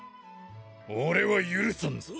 俺は許さんぞ。